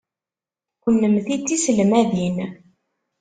Kennemti d tiselmadin.